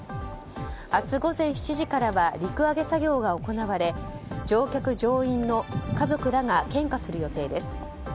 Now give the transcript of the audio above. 明日午前７時からは陸揚げ作業が行われ乗客・乗員の家族らが献花する予定です。